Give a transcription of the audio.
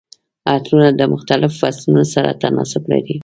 عطرونه د مختلفو فصلونو سره تناسب لري.